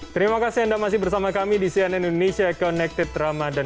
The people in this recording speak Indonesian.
terima kasih anda masih bersama kami di cnn indonesia connected ramadhan